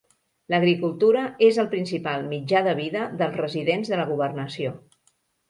L'agricultura és el principal mitjà de vida dels residents de la governació.